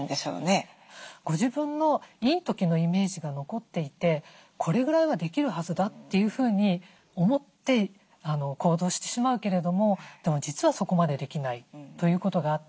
ご自分のいい時のイメージが残っていてこれぐらいはできるはずだというふうに思って行動してしまうけれどもでも実はそこまでできないということがあって。